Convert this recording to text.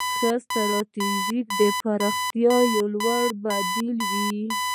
ښه ستراتیژي د پراختیا لوری بدلوي.